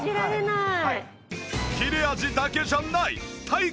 切れ味だけじゃない！